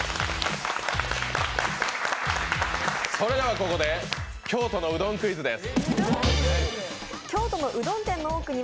ここで京都のうどんクイズです。